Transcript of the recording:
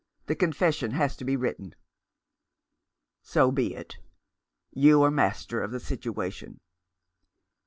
The confession has to be written." " So be it. You are master of the situation."